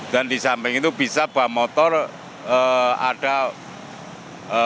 dan di samping itu bisa bahan motor ada kendaraan kuda